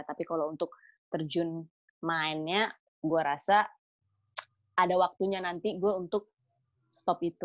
tapi kalau untuk terjun mainnya gue rasa ada waktunya nanti gue untuk stop itu